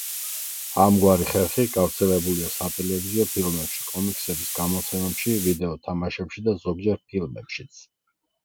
ამგვარი ხერხი გავრცელებულია სატელევიზიო ფილმებში, კომიქსების გამოცემებში, ვიდეო თამაშებში და ზოგჯერ ფილმებშიც.